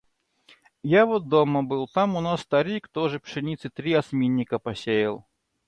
Я вот дома был, там у нас старик тоже пшеницы три осминника посеял.